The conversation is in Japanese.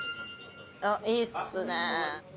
あっいいっすね。